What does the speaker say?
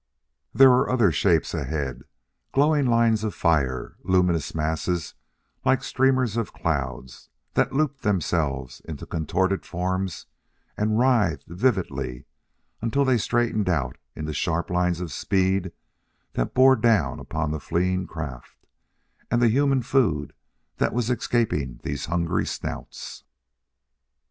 There were other shapes ahead, glowing lines of fire, luminous masses like streamers of cloud that looped themselves into contorted forms and writhed vividly until they straightened into sharp lines of speed that bore down upon the fleeing craft and the human food that was escaping these hungry snouts.